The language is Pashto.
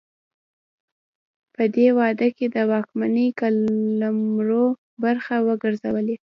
په دې واده کې د واکمنۍ قلمرو برخه وګرځولې.